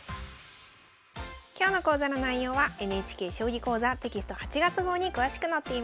今日の講座の内容はＮＨＫ「将棋講座」テキスト８月号に詳しく載っています。